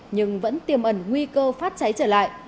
nhưng vẫn tiềm ẩn nguy cơ phát cháy trở lại